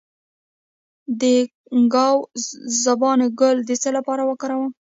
د ګاو زبان ګل د څه لپاره وکاروم؟